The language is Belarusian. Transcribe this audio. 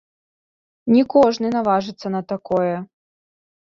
Не кожны наважыцца на такое.